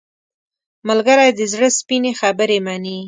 ملګری د زړه سپینې خبرې مني